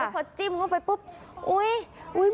ก็พอจิ้มกันไปเปียกินนับ